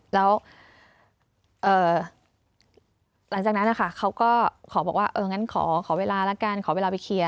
แล้วหลังจากนั้นนะคะเขาก็ขอบอกว่าเอองั้นขอเวลาละกันขอเวลาไปเคลียร์